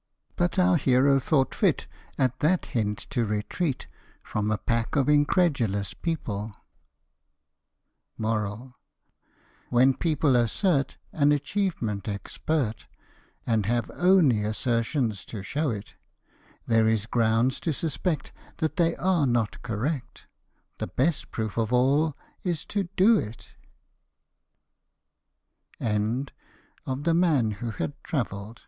But our hero thought fit, at that hint to retreat From a pack of incredulous people. When people assert an achievement expert, And have only assertions to show it ; There is ground to suspect that they are not correct ; The best proof of all is